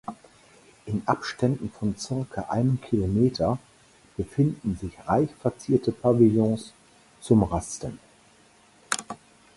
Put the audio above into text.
In Abständen von circa einem Kilometer befinden sich reich verzierte Pavillons zum Rasten.